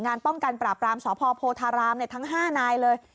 งานป้องกันปราบรามสพโพธารามทั้ง๕นายเลย